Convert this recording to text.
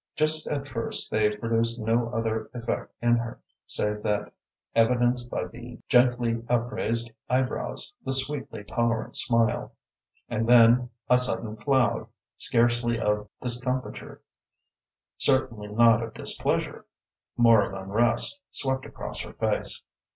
Just at first they produced no other effect in her save that evidenced by the gently upraised eyebrows, the sweetly tolerant smile. And then a sudden cloud, scarcely of discomfiture, certainly not of displeasure, more of unrest, swept across her face.